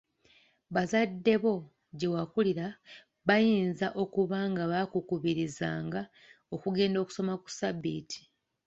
Bazaddebo gye wakulira bayinza okuba nga baakukubirizanga okugenda okusoma ku Ssabbiiti.